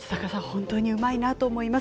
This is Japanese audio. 本当にうまいなと思います。